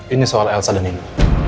ini soal elsa dan ini